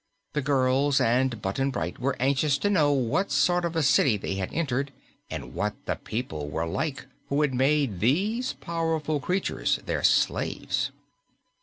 The girls and Button Bright were anxious to know what sort of a city they had entered, and what the people were like who had made these powerful creatures their slaves.